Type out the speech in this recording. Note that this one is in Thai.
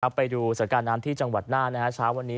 กับไปดูศรัทธิ์การน้ำที่จังหวัดน่านะฮะเป็นวันนี้